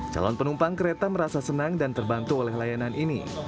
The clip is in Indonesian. calon penumpang kereta merasa senang dan terbantu oleh layanan ini